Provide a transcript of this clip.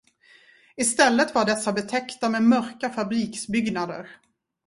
I stället var dessa betäckta med mörka fabriksbyggnader.